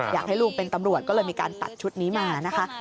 อยากให้ลุงเป็นตำรวจก็เลยมีการตัดชุดนี้มานะคะ